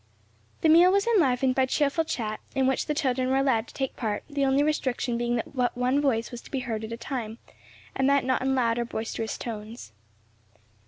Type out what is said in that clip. The meal was enlivened by cheerful chat, in which the children were allowed to take part; the only restriction being that but one voice was to be heard at a time; and that not in loud or boisterous tones.